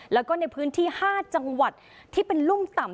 แล้วก็ในพื้นที่๕จังหวัดที่เป็นรุ่มต่ำ